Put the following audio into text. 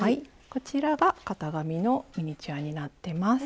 こちらが型紙のミニチュアになってます。